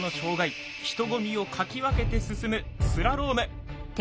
人混みをかき分けて進むスラローム。